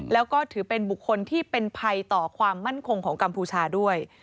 แล้วก็ถือเป็นบุคคลที่เป็นภัยต่อความมั่นคงของกัมพูชาด้วย